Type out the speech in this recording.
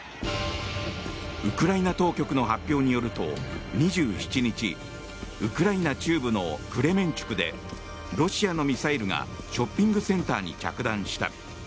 ウクライナ当局の発表によると２７日ウクライナ中部のクレメンチュクでロシアのミサイルがショッピングセンターに着弾した。